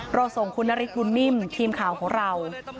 ส่งคุณนฤทธบุญนิ่มทีมข่าวของเรา